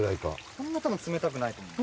そんなたぶん冷たくないと思う。